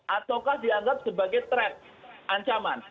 ataukah dianggap sebagai track ancaman